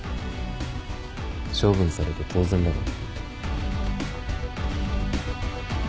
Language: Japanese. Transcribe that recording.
処分されて当然だろ。